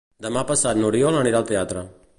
Demà passat n'Oriol anirà al teatre.